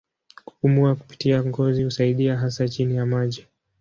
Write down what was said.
Kupumua kupitia ngozi husaidia hasa chini ya maji.